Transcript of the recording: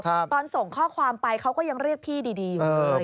ตอนส่งข้อความไปเขาก็ยังเรียกพี่ดีอยู่